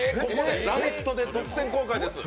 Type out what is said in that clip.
「ラヴィット！」で独占公開です！